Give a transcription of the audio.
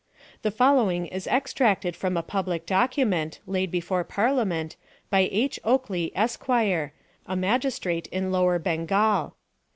" The following is extracted from a public document, laid before Parliament, by H. Oakley, Esq., a magistrate in lower Bengal.